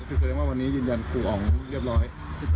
ก็คือแสดงว่าวันนี้ยืนยันกลุ่มออกเรียบร้อย